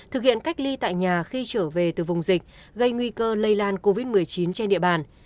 thực hiện cách ly tại nhà khi trở về từ vùng dịch gây nguy cơ lây lan covid một mươi chín trên địa bàn